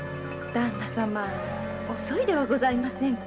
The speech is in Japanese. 旦那様遅いではございませんか。